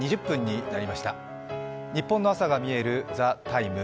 ニッポンの朝がみえる「ＴＨＥＴＩＭＥ，」